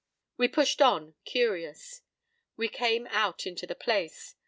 p> We pushed on, curious. We came out into the "place."